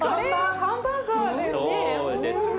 ハンバーガーだよね。